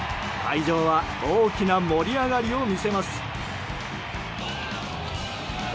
会場は大きな盛り上がりを見せます。